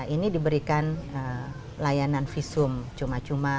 ini diberikan layanan visum cuma cuma